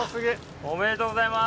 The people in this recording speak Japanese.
おめでとうございます。